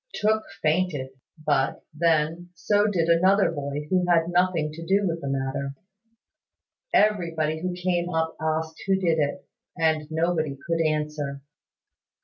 Tooke fainted, but, then, so did another boy who had nothing to do with the matter. Everybody who came up asked who did it; and nobody could answer.